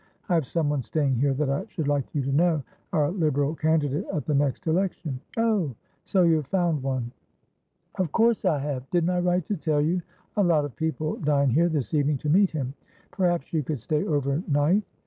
I have some one staying here that I should like you to knowour Liberal candidate at the next election." "Oh, so you have found one?" "Of course I have. Didn't I write to tell you? A lot of people dine here this evening to meet him. Perhaps you could stay over night?